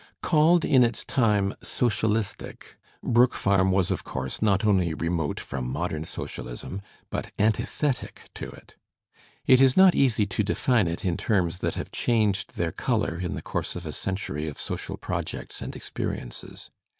Called in its time "socialistic, Brook Parm was, of course, not only remote from modem socialism but antithetic to it. It is not easy to define it in terms that have changed their colour in the course of a century of social projects and experiences.